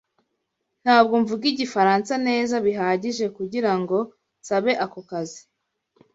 Ntabwo mvuga Igifaransa neza bihagije kugirango nsabe ako kazi.